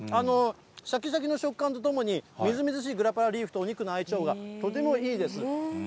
しゃきしゃきの食感とともに、みずみずしいグラパラリーフのお肉の相性がとてもいいです。